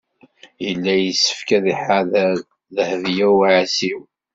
Yella yessefk ad iḥader Dehbiya u Ɛisiw.